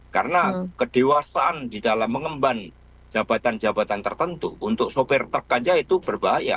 karena kedewasaan di dalam mengemban jabatan jabatan tertentu untuk sopir truk saja itu berbahaya